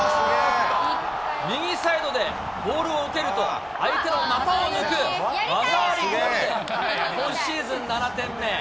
右サイドでボールを受けると、相手の股を抜く技ありゴールで今シーズン７点目。